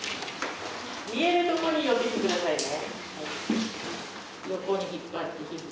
見えるとこに寄ってきて下さいね。